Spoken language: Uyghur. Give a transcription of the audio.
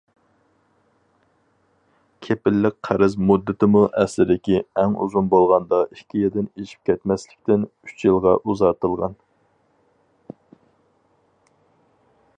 كېپىللىك قەرز مۇددىتىمۇ ئەسلىدىكى ئەڭ ئۇزۇن بولغاندا ئىككى يىلدىن ئېشىپ كەتمەسلىكتىن ئۈچ يىلغا ئۇزارتىلغان.